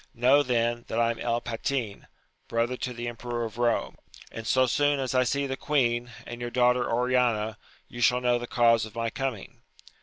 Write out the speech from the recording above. Know, then, that I am El Patin, brother to the emperor of Kome, and so soon as I see the queen, and your daughter Oriana, you shall know the cause of my coming.